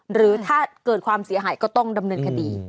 หรือถ้าเกิดความเสียหายก็ต้องดำเนินคดี